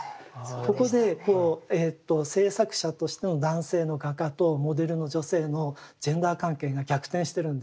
ここで制作者としての男性の画家とモデルの女性のジェンダー関係が逆転してるんですよね。